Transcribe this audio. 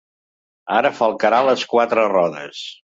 Ara falcarà les quatre rodes.